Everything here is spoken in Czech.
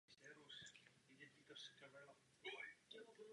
Titul mistra Evropy získal tým Jugoslávie.